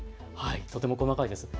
とても細かいです。